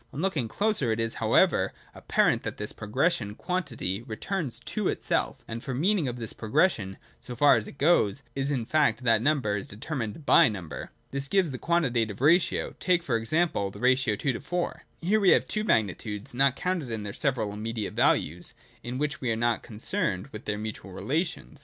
On looking closer, it is, however, apparent that in this progression quantity returns to itself : for the meaning of this progres sion, so far as thought goes, is the fact that number is deter mined by number. And this gives the quantitative ratio. Take, for example, the ratio 2 : 4. Here we have two magnitudes (not counted in their several immediate values) in which we are only concerned with their mutual relations.